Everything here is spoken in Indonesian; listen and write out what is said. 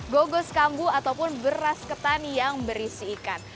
gogos kambu ataupun beras ketan yang berisi ikan